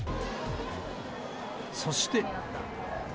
そして。